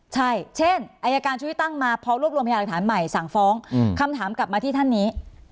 ใช่เช่นอายการชุวิตตั้งมาพร้อมรวบรวมพยาหลักฐานใหม่สั่งฟ้องคำถามกลับมาที่ท่านนี้